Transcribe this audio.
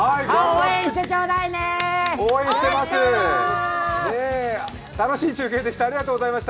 応援してます。